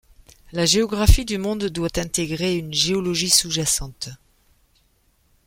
La géographie du monde doit intégrer une géologie sous-jacente.